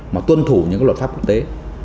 mà tuân thủ những luật pháp quốc tế